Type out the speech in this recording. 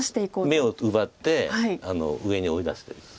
眼を奪って上に追い出してる。